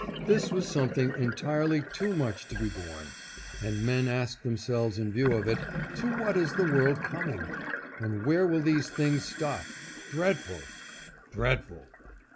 This was something entirely too much to be borne; and men asked themselves in view of it, To what is the world coming? and where will these things stop ? Dreadful ! Dreadful